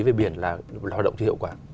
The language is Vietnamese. về biển là hoạt động chưa hiệu quả